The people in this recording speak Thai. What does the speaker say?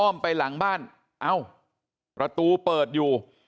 ไปหลังบ้านเอ้าประตูเปิดอยู่